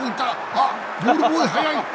あっ、ボールボーイ、速い。